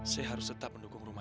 saya harus tetap mendukung rumah